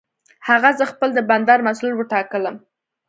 هغه زه خپل د بندر مسؤل وټاکلم.